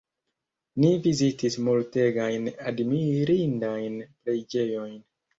Ni vizitis multegajn admirindajn preĝejojn.